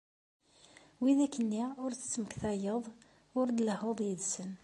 Widak-nni ur d-tettmektayeḍ, ur d-tlehhuḍ yid-sen.